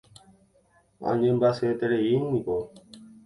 Añembyasyetereíniko.